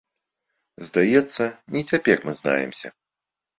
Здаецца, не цяпер мы знаемся.